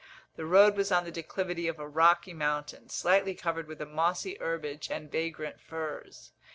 The road was on the declivity of a rocky mountain, slightly covered with a mossy herbage and vagrant firs.